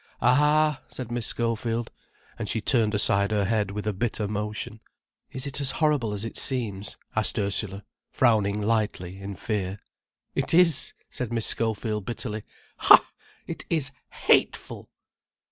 "Ah!" said Miss Schofield, and she turned aside her head with a bitter motion. "Is it as horrid as it seems?" asked Ursula, frowning lightly, in fear. "It is," said Miss Schofield, bitterly. "Ha!—it is _hateful!"